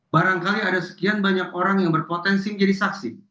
barangkali ada sekian banyak orang yang berpotensi menjadi saksi